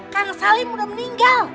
kang salim udah meninggal